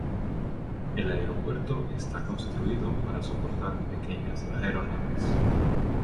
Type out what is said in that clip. El aeropuerto está construido para soportar pequeñas aeronaves.